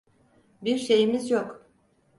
Bir şeyimiz yok.